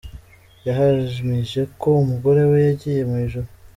Yahamije ko umugore we yagiye mu ijuru.